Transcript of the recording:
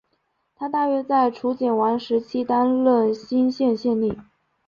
他大约在楚简王时期担任圉县县令。